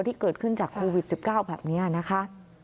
ที่เกิดขึ้นจากโควิด๑๙แบบนี้นะคะ